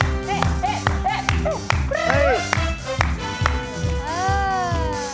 อะไรนะอยากเล่นบ้างได้ครับ